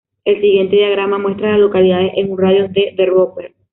El siguiente diagrama muestra a las localidades en un radio de de Roper.